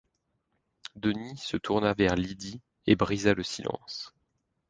Denis se tourna vers Lydie et brisa le silence.